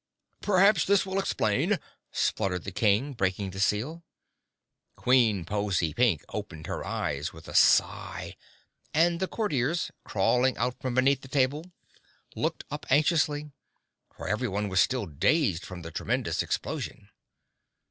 "Perhaps this will explain," spluttered the King, breaking the seal. Queen Pozy Pink opened her eyes with a sigh, and the Courtiers, crawling out from beneath the table, looked up anxiously, for everyone was still dazed from the tremendous explosion.